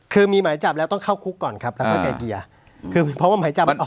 คือมีหมายจับแล้วต้องเข้าคุกก่อนครับแล้วก็ไกลเกลีย